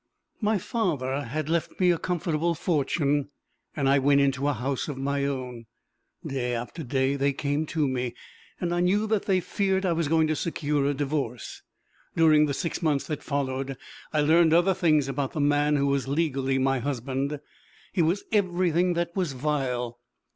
"My father had left me a comfortable fortune, and I went into a house of my own. Day after day they came to me, and I knew that they feared I was going to secure a divorce. During the six months that followed I learned other things about the man who was legally my husband. He was everything that was vile.